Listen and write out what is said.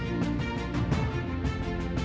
yang merasa bahagia